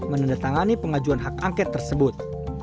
menandatangani pengajuan hak angket tersebut